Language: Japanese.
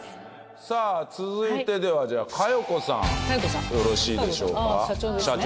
さぁ続いてではじゃあ佳代子さんよろしいでしょうか社長です。